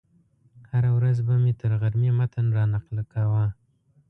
هره ورځ به مې تر غرمې متن رانقل کاوه.